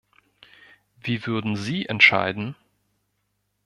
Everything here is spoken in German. Wie würden Sie entscheiden?